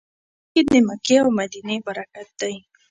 بلکې د مکې او مدینې برکت دی.